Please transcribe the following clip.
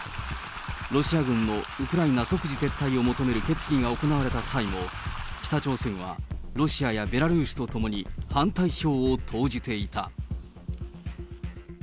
ロシア軍のウクライナ即時撤退を求める決議が行われた際も、北朝鮮はロシアやベラルーシと共に、反対票を投じていた。